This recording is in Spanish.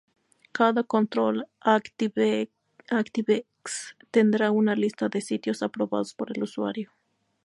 Cada control ActiveX tendrá una lista de sitios aprobados por el usuario.